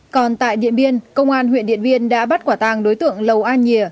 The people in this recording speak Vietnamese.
còn tại điện biên công an huyện điện biên đã bắt quả tang đối tượng lầu an nhĩa